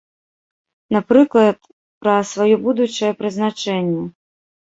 Напрыклад, пра сваё будучае прызначэнне.